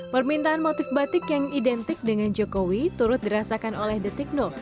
permintaan motif batik yang identik dengan jokowi turut dirasakan oleh detikno